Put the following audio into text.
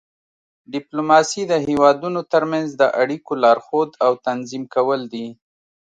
ډیپلوماسي د هیوادونو ترمنځ د اړیکو لارښود او تنظیم کول دي